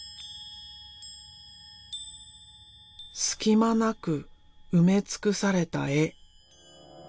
隙間なく埋め尽くされた絵。